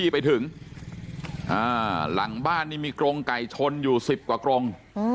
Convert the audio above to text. ไปถึงหลังบ้านนี่มีกรงไก่ชนอยู่๑๐กว่ากรง